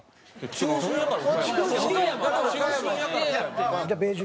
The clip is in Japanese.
中心やから。